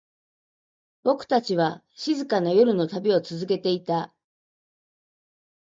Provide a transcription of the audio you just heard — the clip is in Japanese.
僕たちは、静かな夜の旅を続けていた。